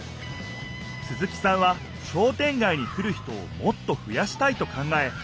鈴木さんは商店街に来る人をもっとふやしたいと考え